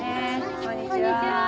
こんにちは。